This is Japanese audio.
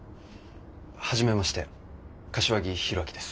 初めまして柏木弘明です。